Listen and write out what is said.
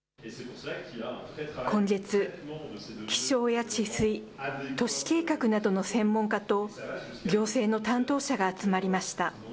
今月、気象や治水、都市計画などの専門家と行政の担当者が集まりました。